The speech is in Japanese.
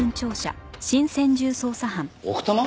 奥多摩？